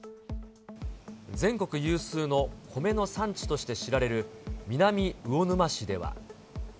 全国有数の米の産地として知られる南魚沼市では。